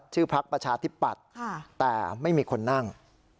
ชื่อพรรคประชาธิปัตย์แต่ไม่มีคนนั่ง